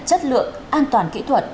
chất lượng an toàn kỹ thuật